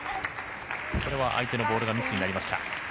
これは相手のボールがミスになりました。